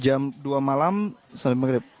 jadi jam dua malam sampai maghrib